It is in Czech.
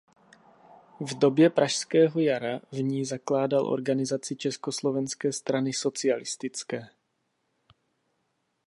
V době pražského jara v ní zakládal organizaci Československé strany socialistické.